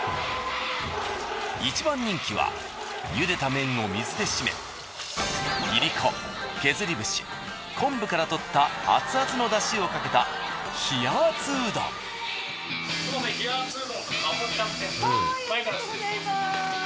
いちばん人気はゆでた麺を水で締めいりこ削り節昆布からとったアツアツのだしをかけたありがとうございます。